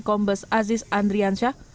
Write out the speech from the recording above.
kombes aziz andriansyah